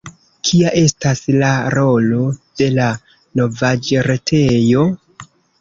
Kia estas la rolo de la novaĵretejo?